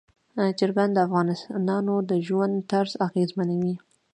چرګان د افغانانو د ژوند طرز اغېزمنوي.